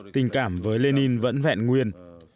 tình cảm với lenin vẫn vẹn nguyên